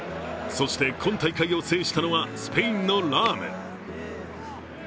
そして、今大会を制したのはスペインのラーム。